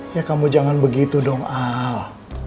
ya kamu jangan begitu doang al